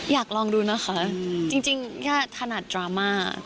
อยากลองดูนะคะจริงแค่ถนัดดราม่า